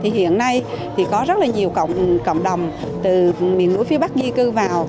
hiện nay thì có rất nhiều cộng đồng từ miền núi phía bắc di cư vào